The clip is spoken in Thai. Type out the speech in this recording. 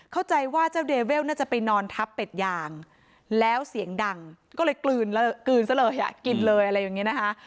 เข้าใจว่าเจ้าเดเวลน่าจะไปนอนทับเป็ดยางแล้วเสียงดังก็เลยกลืนกลืนซะเลยอ่ะกินเลยอะไรอย่างนี้นะคะ